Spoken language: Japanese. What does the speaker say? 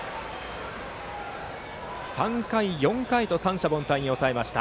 ３回、４回と三者凡退に抑えました。